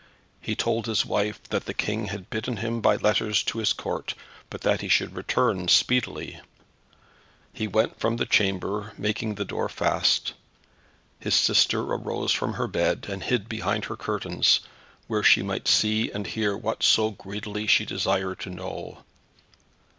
He told his wife that the King had bidden him by letters to his Court, but that he should return speedily. He went from the chamber, making fast the door. His sister arose from her bed, and hid behind her curtains, where she might see and hear what so greedily she desired to know.